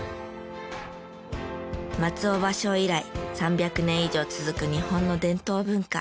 松尾芭蕉以来３００年以上続く日本の伝統文化。